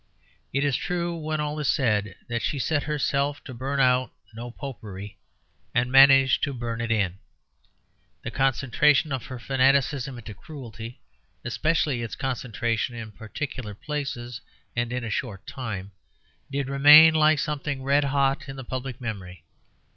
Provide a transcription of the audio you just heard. It is true, when all is said, that she set herself to burn out "No Popery" and managed to burn it in. The concentration of her fanaticism into cruelty, especially its concentration in particular places and in a short time, did remain like something red hot in the public memory.